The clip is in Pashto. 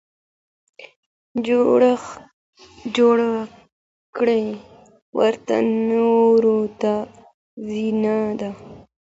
جوړه کړې ورته نورو که زينه ده